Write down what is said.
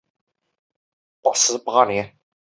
明命十八年。